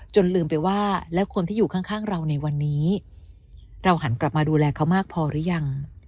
ลืมไปว่าแล้วคนที่อยู่ข้างเราในวันนี้เราหันกลับมาดูแลเขามากพอหรือยัง